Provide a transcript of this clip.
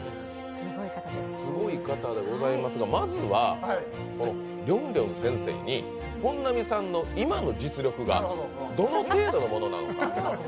すごい方でございますがまずはりょんりょん先生に本並さんの今の実力がどの程度のものなのか。